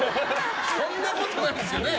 そんなことないでしょ！